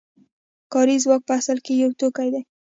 کاري ځواک په اصل کې یو توکی دی